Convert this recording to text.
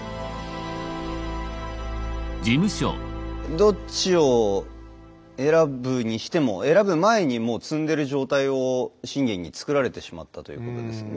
どっちを選ぶにしても選ぶ前にもう詰んでる状態を信玄に作られてしまったということですよね。